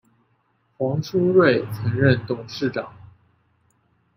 黄书锐曾任董事长。